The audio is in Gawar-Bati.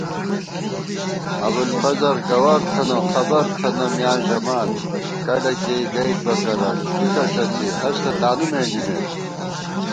ابُوالفضل گوَر تھنہ، خبرتھنہ میاں ژَمان * کڈہ کېئی گَئیت بہ کرہ ژِکہ ݭڅی ہستہ تانو مېنڈِمېت